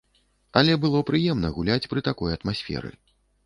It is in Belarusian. Але было прыемна гуляць пры такой атмасферы.